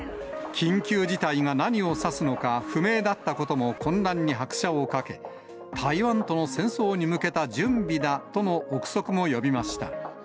緊急事態が何を指すのか不明だったことも混乱に拍車をかけ、台湾との戦争に向けた準備だとの臆測も呼びました。